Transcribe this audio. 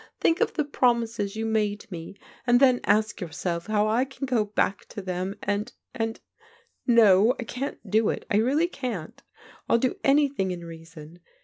Think of the promises you made me, and then ask yourself how I can go back to them, and — and No, I can't do it, I really can't. Ill do anything in reason.